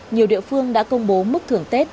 nhiều địa phương đã công bố mức thưởng tết